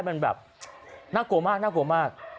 มันแบบน่ากลัวมากน่ากลัวมาก